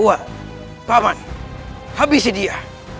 aku pak man habisi dia